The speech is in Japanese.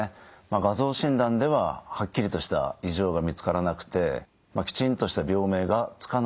画像診断でははっきりとした異常が見つからなくてきちんとした病名が付かないようなことも多いんですね。